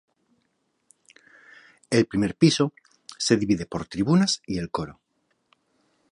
El primer piso se divide por tribunas y el coro.